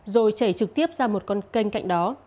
rồi chảy trực tiếp ra một con kênh cạnh đó